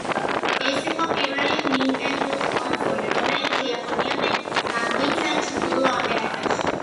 ეს იყო პირველი ნინტენდოს კონსოლი, რომელიც იაპონიამდე გამოიცა ჩრდილო ამერიკაში.